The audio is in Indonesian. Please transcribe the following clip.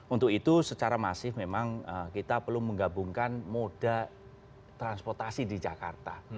untuk itu secara masif memang kita perlu menggabungkan moda transportasi di jakarta